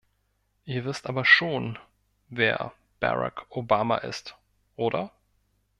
Ihr wisst aber schon, wer Barack Obama ist, oder?